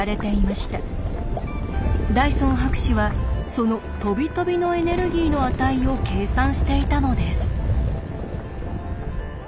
ダイソン博士はそのとびとびのエネルギーの値を計算していたのです。